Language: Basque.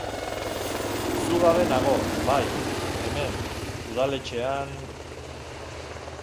Zu gabe nago, bai, hemen, udaletxean...